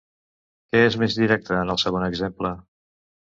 Què és més directe en el segon exemple?